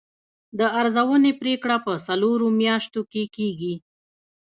د ارزونې پریکړه په څلورو میاشتو کې کیږي.